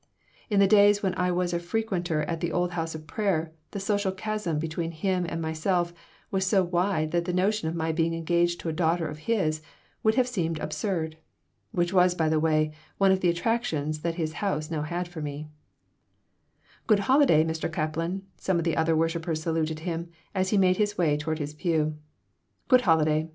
In the days when I was a frequenter at the old house of prayer the social chasm between him and myself was so wide that the notion of my being engaged to a daughter of his would have seemed absurd. Which, by the way, was one of the attractions that his house now had for me "Good holiday, Mr. Kaplan!" some of the other worshipers saluted him, as he made his way toward his pew "Good holiday!